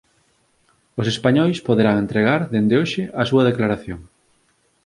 Os españois poderán entregar dende hoxe a súa declaración